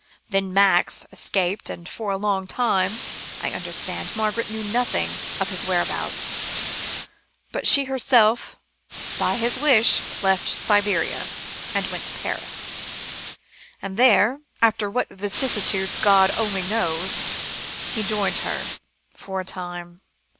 "Then Max escaped, and for a long time, I understand, Margaret knew nothing of his whereabouts; but she herself, by his wish, left Siberia, and went to Paris, and there after what vicissitudes God only knows he joined her, for a time.